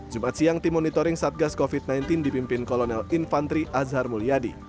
jumat siang tim monitoring satgas covid sembilan belas dipimpin kolonel infantri azhar mulyadi